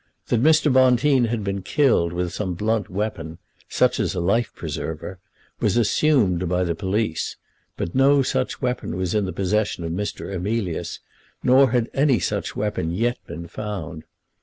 That Mr. Bonteen had been killed with some blunt weapon, such as a life preserver, was assumed by the police, but no such weapon was in the possession of Mr. Emilius, nor had any such weapon yet been found.